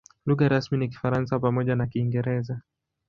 Lugha rasmi ni Kifaransa pamoja na Kiingereza.